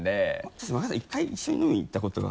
確かに若林さん１回一緒に飲みに行ったことが。